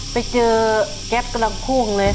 ไปเจอแก๊ปกำลังพุ่งเลย